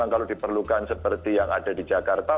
kalau diperlukan seperti yang ada di jakarta